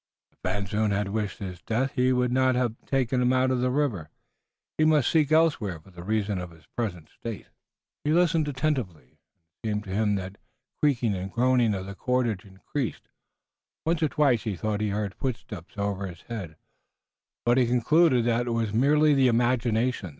If Van Zoon had wished his death he would not have been taken out of the river. He must seek elsewhere the reason of his present state. He listened attentively, and it seemed to him that the creaking and groaning of the cordage increased. Once or twice he thought he heard footsteps over his head, but he concluded that it was merely the imagination.